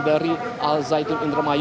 dari al zaitun indramayu